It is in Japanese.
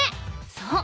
そう。